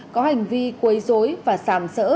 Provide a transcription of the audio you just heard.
có hành vi quấy dối và sảm sỡ